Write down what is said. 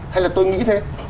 hay là tôi nghĩ thế